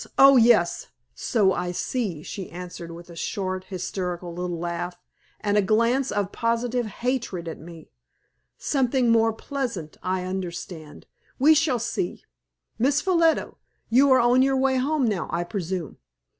Oh, yes! so I see," she answered, with a short, hysterical little laugh, and a glance of positive hatred at me. "Something more pleasant! I understand; we shall see. Miss Ffolliot, you are on your way home now, I presume.